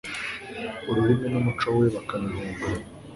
urumuri n'umucyo bye bakabihunga